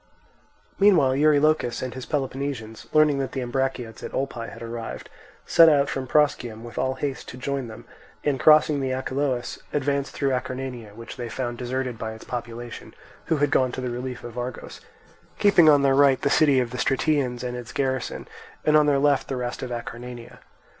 Meanwhile Eurylochus and his Peloponnesians, learning that the Ambraciots at Olpae had arrived, set out from Proschium with all haste to join them, and crossing the Achelous advanced through Acarnania, which they found deserted by its population, who had gone to the relief of Argos; keeping on their right the city of the Stratians and its garrison, and on their left the rest of Acarnania.